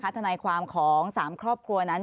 ทนายความของ๓ครอบครัวนั้น